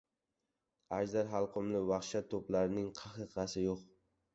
Ajdar halqumli vahshat to‘plarining qahqahasi yo‘q.